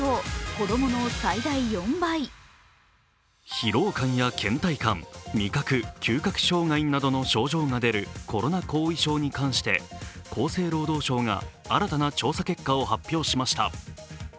疲労感やけん怠感、味覚・嗅覚障害などの症状が出るコロナ後遺症に関して厚生労働省が新たな調査結果を発表しました。